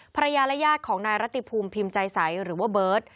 ภรรยาและญาติของนายรัติภูมิพิมพ์ใจใสหรือว่าเบิร์ต